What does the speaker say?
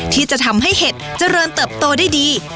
ที่จะทำให้เห็ดเจริญเติบโตได้ดี